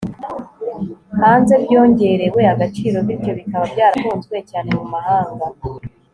hanze byongerewe agaciro, bityo bikaba byarakunzwe cyane mu mahanga